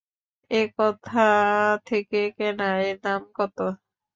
এ কোথা থেকে কেনা, এর দাম কত?